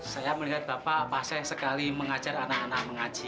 saya melihat bapak pasek sekali mengajar anak anak mengaji